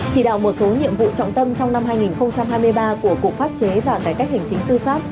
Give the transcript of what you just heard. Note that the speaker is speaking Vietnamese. chỉ đạo một số nhiệm vụ trọng tâm trong năm hai nghìn hai mươi ba của cục pháp chế và cải cách hành chính tư pháp